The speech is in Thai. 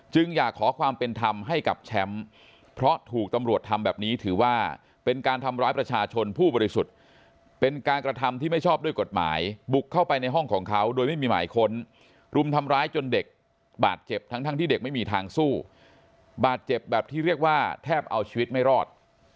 อยากขอความเป็นธรรมให้กับแชมป์เพราะถูกตำรวจทำแบบนี้ถือว่าเป็นการทำร้ายประชาชนผู้บริสุทธิ์เป็นการกระทำที่ไม่ชอบด้วยกฎหมายบุกเข้าไปในห้องของเขาโดยไม่มีหมายค้นรุมทำร้ายจนเด็กบาดเจ็บทั้งที่เด็กไม่มีทางสู้บาดเจ็บแบบที่เรียกว่าแทบเอาชีวิตไม่รอด